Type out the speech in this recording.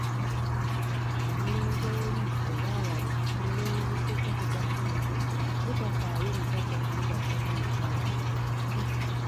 Omulongo oli owa wali yanneewuunyisizza kugamba nti ye tafaayo musajja kumugattako mukyala mulala.